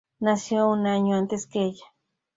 Nació un año antes que ella.